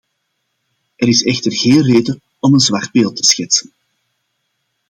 Er is echter geen reden om een zwart beeld te schetsen.